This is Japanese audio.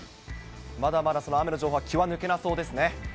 まだまだ雨の情報は気は抜けなそうですね。